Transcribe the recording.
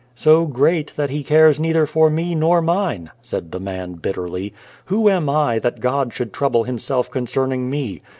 " So great that He cares neither for me nor mine," said the man bitterly. "Who am I, that God should trouble Himself concerning me?